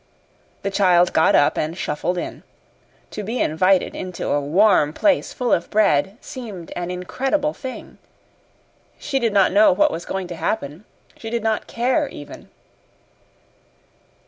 The child got up and shuffled in. To be invited into a warm place full of bread seemed an incredible thing. She did not know what was going to happen. She did not care, even.